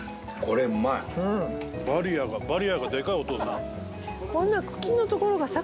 バリアがバリアがでかいお父さん。